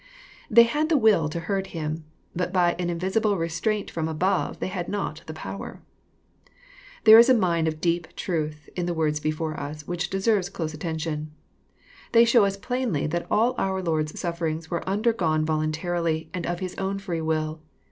They had the will to hurt him, but by an invisible restraint from aboye, they had not the power. There is a mine of deep truth in the woids belGore us, which deserves close attention. They show us plainly that all our Lord's sufferings were undergone voluntarily, and of His own free will.